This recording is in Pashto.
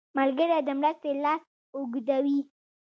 ملګری د مرستې لاس اوږدوي